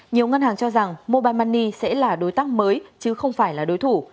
nhiều ngân hàng cho rằng mobile money sẽ là đối tác mới chứ không phải là đối thủ